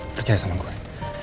percaya sama gue